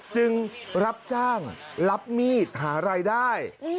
จึงรับจ้างรับมีดหารายได้